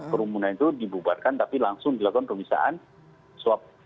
kerumunan itu dibubarkan tapi langsung dilakukan pemisahan swab